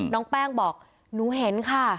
น้องแป้งบอกหนูเห็นค่ะ